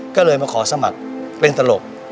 ก็เลยมาขอสมัครเป็นตลก